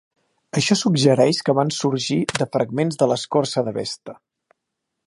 Això suggereix que van sorgir de fragments de l'escorça de Vesta.